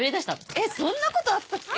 えっそんなことあったっけ？